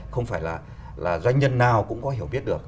không phải là doanh nhân nào cũng có hiểu biết được